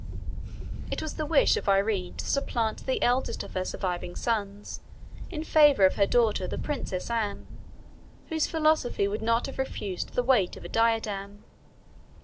It was the wish of Irene to supplant the eldest of her surviving sons, in favor of her daughter the princess Anne whose philosophy would not have refused the weight of a diadem.